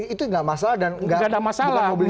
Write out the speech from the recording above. itu enggak masalah dan enggak mobilisasi politik